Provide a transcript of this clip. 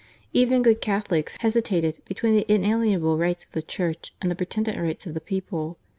Even good Catholics hesitated between the inalien able rights of the Church and the pretended rights of the people.